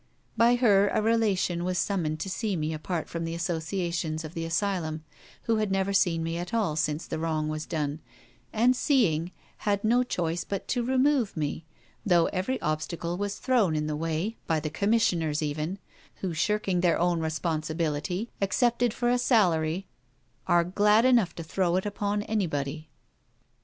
By her a relation was summoned to see me apart from the associations of the asylum, who had never seen me at all since the wrong was done; and seeing, had no choice but to remove me, though every obstacle was thrown in the way, by the Commissioners even, who, shirking their own responsibility, accepted for a salary, are glad enough to throw it upon anybody.